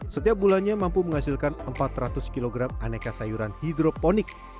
setiap bulannya mampu menghasilkan empat ratus kg aneka sayuran hidroponik